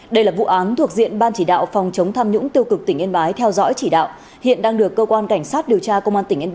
đây là vụ án thuộc diện ban chỉ đạo phòng chống tham nhũng tiêu cực tỉnh yên bái theo dõi chỉ đạo